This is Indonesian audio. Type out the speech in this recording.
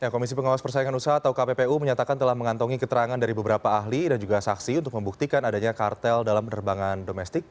komisi pengawas persaingan usaha atau kppu menyatakan telah mengantongi keterangan dari beberapa ahli dan juga saksi untuk membuktikan adanya kartel dalam penerbangan domestik